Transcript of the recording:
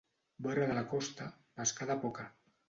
Vora de la costa, pescada poca.